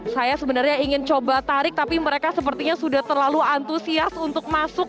saya sebenarnya ingin coba tarik tapi mereka sepertinya sudah terlalu antusias untuk masuk